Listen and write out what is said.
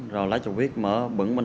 rồi lái chụp viết mở bửng bình